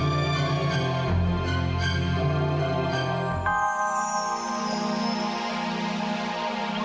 nah gitu dong